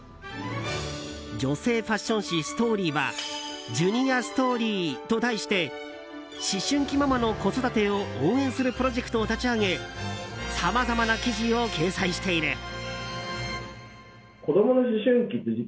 女性ファッション誌「ＳＴＯＲＹ」はジュニアストーリーと題して思春期ママの子育てを応援するプロジェクトを立ち上げさまざまな記事を掲載している。